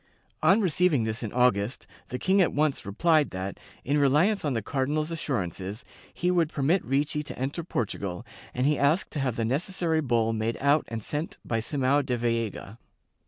On receiving this in August, the king at once replied that, in reliance on the cardinal's assur ances, he would permit Ricci to enter Portugal and he asked to have the necessary bull made out and sent by Simao da Veiga.